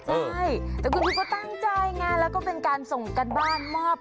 ใช่แต่คุณครูก็ตั้งใจไงแล้วก็เป็นการส่งการบ้านมอบ